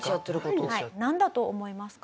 なんだと思いますか？